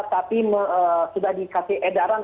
tapi sudah dikasih edaran